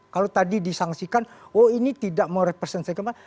kalau tadi disangsikan oh ini tidak mau representasi kemana